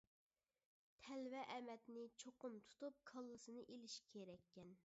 تەلۋە ئەمەتنى چوقۇم تۇتۇپ كاللىسىنى ئېلىش كېرەككەن.